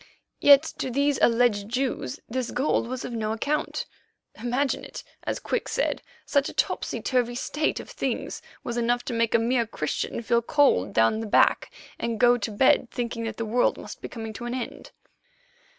Yet to these alleged Jews this gold was of no account. Imagine it; as Quick said, such a topsy turvy state of things was enough to make a mere Christian feel cold down the back and go to bed thinking that the world must be coming to an end.